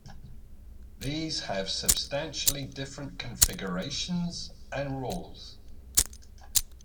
These have substantially different configurations and rules.